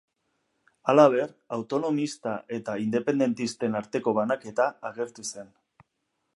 Halaber, autonomista eta independentisten arteko banaketa agertu zen.